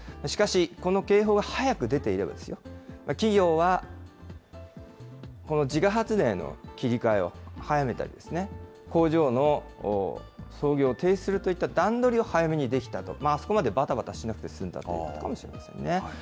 しかし、この警報が早く出ていればですよ、企業は自家発電の切り替えを早めたり、工場の操業を停止するといった段取りを早めにできたと、あそこまでばたばたしなくて済んだということかもしれませんね。